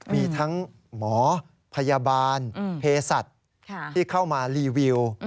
มีทั้งหมอพยาบาลเพศัตริย์ที่เข้ามารีวิว